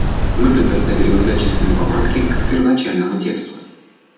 Мы представили многочисленные поправки к первоначальному тексту.